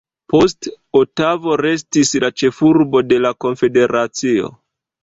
Poste, Otavo restis la ĉefurbo de la konfederacio.